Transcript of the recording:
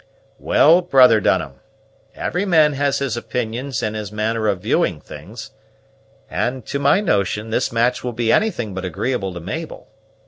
"Well, brother Dunham, every man has his opinions and his manner of viewing things; and, to my notion, this match will be anything but agreeable to Mabel.